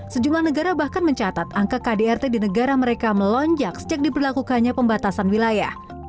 sejumlah negara bahkan mencatat angka kdrt di negara mereka melonjak sejak diberlakukannya pembatasan wilayah